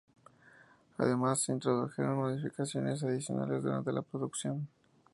Además, se introdujeron modificaciones adicionales durante la producción.